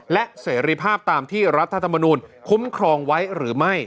และเสรีภาพตามที่รัฐธรรมนูลคุ้มครองไว้หรือไม่